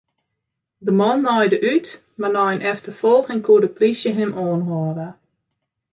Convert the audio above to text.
De man naaide út, mar nei in efterfolging koe de plysje him oanhâlde.